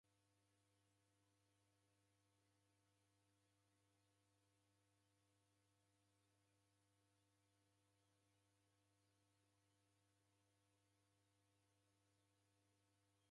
Chia raaghilo eri kuboisa maza ra isanga.